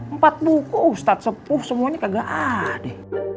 empat buku ustadz sepuh semuanya kagak ada